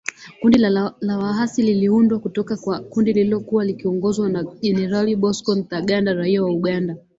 Kundi la waasi liliundwa kutoka kwa kundi lililokuwa likiongozwa na Generali Bosco Ntaganda raia wa Uganda